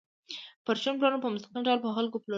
پرچون پلورنه په مستقیم ډول په خلکو پلورل دي